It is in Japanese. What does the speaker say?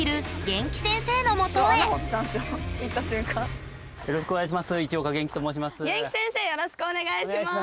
元気先生よろしくお願いします！